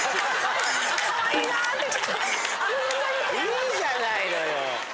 いいじゃないのよ。